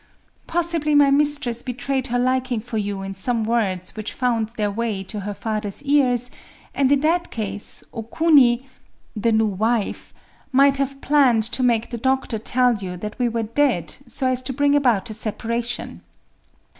Possibly my mistress betrayed her liking for you in some words which found their way to her father's ears; and, in that case, O Kuni—the new wife—might have planned to make the doctor tell you that we were dead, so as to bring about a separation.